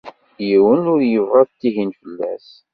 Yiwen ur yebɣa ad tihin fell-as.